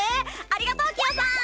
ありがとうキヨさん！